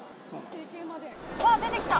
うわっ、出てきた。